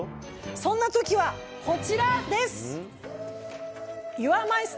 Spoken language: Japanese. そんな時はこちらです！